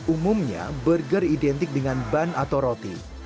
umumnya burger identik dengan ban atau roti